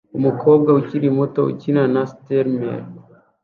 Umukobwa ukiri muto ukina na streamers